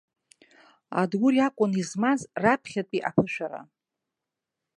Адгәыр иакәын измаз раԥхьатәи аԥышәара.